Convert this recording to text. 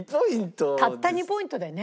たった２ポイントでね。